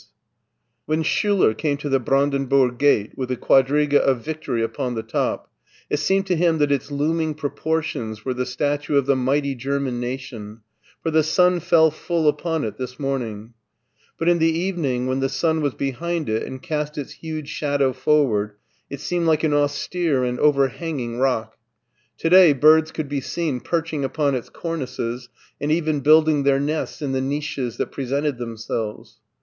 212 MARTIN SCHULER When Schuler came to the Brandenburg gate with the quadriga of Victory upon the top, it seemed to him that its looming proportions were the statue of the mighty German nation, for the sun fell full upon it this morning; but in the evening, when the sun was behind it and cast its huge shadow forward, it seemed like an austere and overhanging rock. To day birds could be seen perching upon its cornices and even building their nests in the niches that presented them selves.